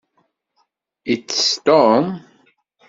Itess Tom?